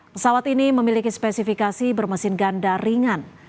pesawat ini memiliki spesifikasi bermesin ganda ringan